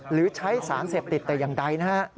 หรือใช้สารเสพติดแต่อย่างใดนะฮะ